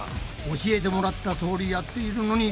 教えてもらったとおりやっているのに